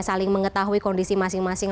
saling mengetahui kondisi masing masing